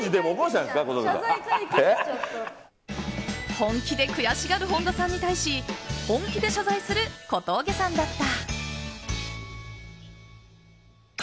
本気で悔しがる本田さんに対し本気で謝罪する小峠さんだった。